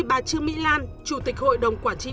bà trương mỹ lan chủ tịch hội đồng quản trị